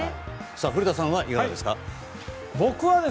古田さん、いかがですか。